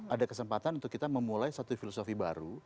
ada kesempatan untuk kita memulai satu filosofi baru